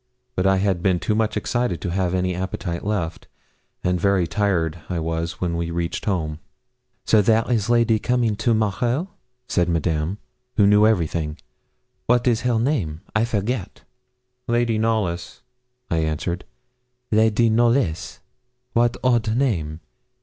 But I had been too much excited to have any appetite left, and very tired I was when we reached home. 'So, there is lady coming to morrow?' said Madame, who knew everything. 'Wat is her name? I forget.' 'Lady Knollys,' I answered. 'Lady Knollys wat odd name!